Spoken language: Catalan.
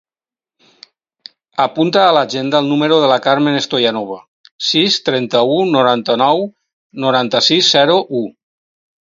Apunta a l'agenda el número de la Carmen Stoyanova: sis, trenta-u, noranta-nou, noranta-sis, zero, u.